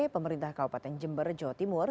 pemerintah kabupaten jember jawa timur